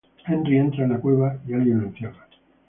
Henry entra en la cueva y alguien lo encierra.